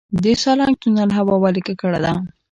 د سالنګ تونل هوا ولې ککړه ده؟